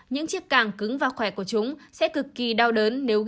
những chiếc càng cứng và khỏe của chúng sẽ cực kỳ đau đớn nếu